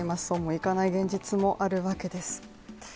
そうもいかない現実もあるわけです。